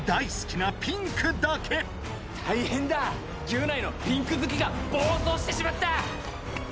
ギュナイのピンクずきが暴走してしまった！